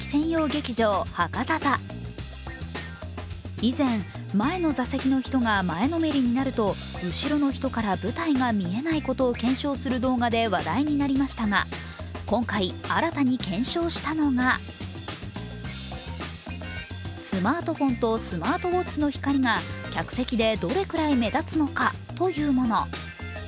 以前、前の座席の人が前のめりになると後ろの人から舞台が見えないことを検証する動画で話題になりましたが今回、新たに検証したのがスマートフォンとスマートウォッチの光が客席でどれぐらい目立つのかというもの。